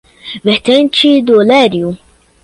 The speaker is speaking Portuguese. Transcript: Vertente do Lério